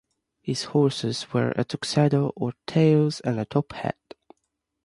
His horses wear a tuxedo or tails and a top hat.